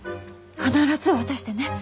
必ず渡してね。